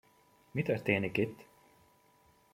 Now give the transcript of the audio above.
Mi történik itt?